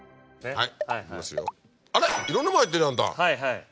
はい。